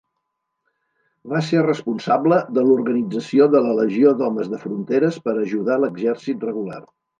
Va ser responsable de l'organització de la Legió d'Homes de Fronteres per ajudar l'exèrcit regular.